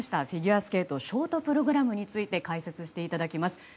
フィギュアスケートショートプログラムについて解説していただきます。